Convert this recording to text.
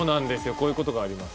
こういう事があります。